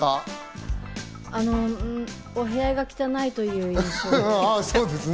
お部屋が汚いという印象です。